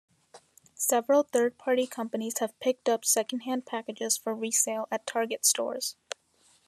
Several third-party companies have picked up second-hand packages for resale at Target stores.